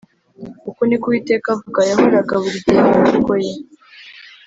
‘Uku niko Uwiteka avuga,’’ yahoraga buri gihe mu mvugo ye